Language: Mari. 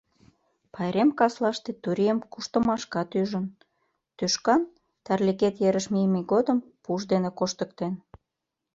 Пайрем каслаште Турийым куштымашкат ӱжын, тӱшкан Тарлигет ерыш мийыме годым пуш дене коштыктен.